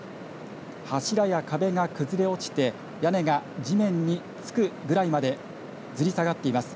柱や壁が崩れ落ちて屋根が地面に着くぐらいまでずり下がっています。